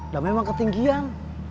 damai emang ketinggian